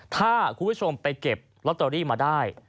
ถ้าคุณผู้ชมไปเก็บลอตเตอรี่มาได้